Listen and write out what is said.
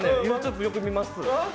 僕もよく見ます。